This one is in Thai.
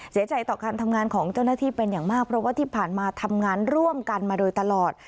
เสียใจต่อการทำงานของเจ้าหน้าที่เป็นอย่างมากเพราะว่าที่ผ่านมาทำงานร่วมกันมาโดยตลอด